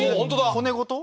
骨ごと？